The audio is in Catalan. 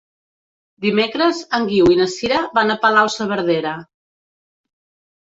Dimecres en Guiu i na Sira van a Palau-saverdera.